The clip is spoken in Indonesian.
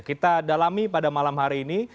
kita dalami pada malam hari ini